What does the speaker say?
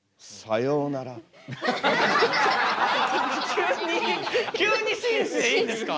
急に急に紳士でいいんですか？